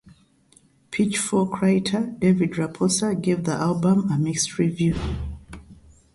Pitchfork writer David Raposa gave the album a mixed review.